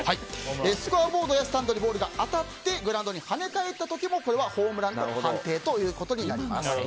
スコアボードやスタンドにボールが当たってグラウンドに跳ね返った時もホームランの判定となります。